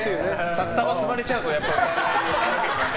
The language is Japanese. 札束積まれちゃうとやっぱりね。